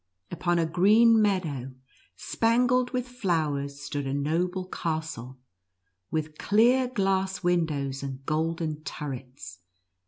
Upon a green meadow, spangled with flowers, stood a noble castle, with clear glass windows and golden turrets.